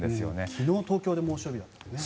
昨日、東京で猛暑日だったんですよね。